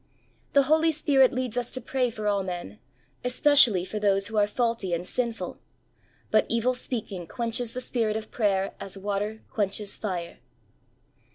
The Holy Spirit leads us to pray for all men, especially for those who are faulty and sinful, but evil speaking quenches the spirit of prayer as water quencnes fire.